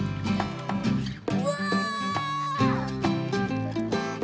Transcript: うわ！